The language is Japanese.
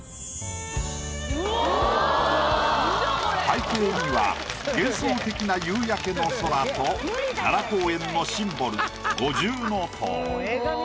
背景には幻想的な夕焼けの空と奈良公園のシンボル五重塔。